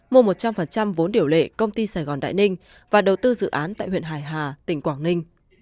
mua một trăm linh vốn điều lệ công ty sài gòn đại ninh và đầu tư dự án tại huyện hải hà tỉnh quảng ninh